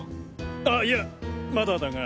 あっいやまだだが。